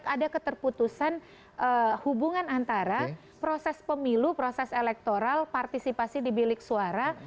ada keterputusan hubungan antara proses pemilu proses elektoral partisipasi di bilik suara